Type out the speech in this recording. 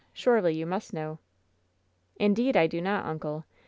Surely you must know!" "Indeed, I do not, uncle.